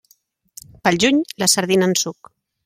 Pel juny, la sardina en suc.